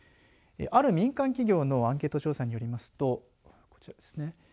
ある民間企業のアンケート調査によりますとこちらですね。